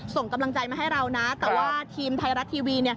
ส่งกำลังใจมาให้เรานะแต่ว่าทีมไทยรัฐทีวี